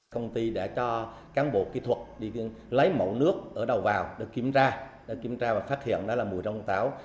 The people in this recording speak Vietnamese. công ty đã cho cán bộ kỹ thuật lấy mẫu nước ở đầu vào được kiểm tra và phát hiện là mùi rong táo